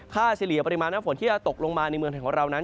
เฉลี่ยปริมาณน้ำฝนที่จะตกลงมาในเมืองไทยของเรานั้น